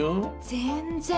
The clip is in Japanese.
全然。